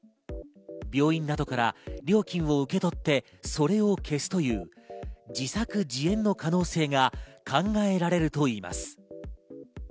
病院などから料金を受け取って、それを消すという自作自演の可能性が考えられるといいます。